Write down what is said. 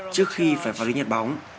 trước khi phải vào lý nhật bóng